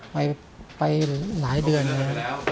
ไปหลายเดือนเลย